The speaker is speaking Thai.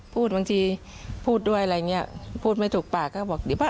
พูดบางทีพูดด้วยอะไรเงี้ยพูดไม่ถูกปากก็บอกดิวะ